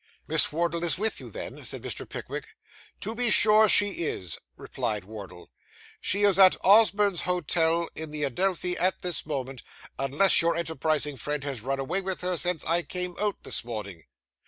'Miss Wardle is with you, then?' said Mr. Pickwick. 'To be sure she is,' replied Wardle. 'She is at Osborne's Hotel in the Adelphi at this moment, unless your enterprising friend has run away with her since I came out this morning.